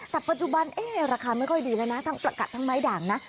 แต่ปัจจุบันราคาไม่ค่อยดีแล้วนะ